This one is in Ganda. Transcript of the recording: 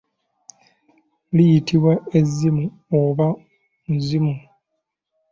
Liyitibwa ezzimu oba muzimu.